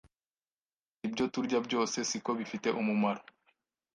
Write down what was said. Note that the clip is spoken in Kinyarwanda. gusa ibyo turya byose siko bifite umumaro